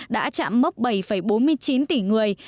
đã chạm mốc bảy bốn mươi chín tỷ người